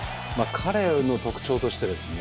彼の特徴としてですね